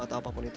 atau apapun itu